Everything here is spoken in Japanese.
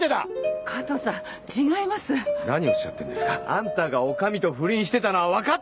あんたが女将と不倫してたのは分かってるんだ！